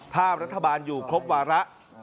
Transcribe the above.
ถ้ารัฐบาลอยู่ครบวาระ